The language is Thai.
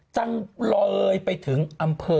จังลอยไปถึงอำเภอ